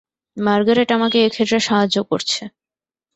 Margaret আমাকে এ ক্ষেত্রে সাহায্য করছে।